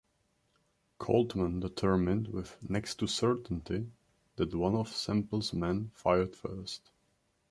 Coltman determined with "next to certainty" that one of Semple's men fired first.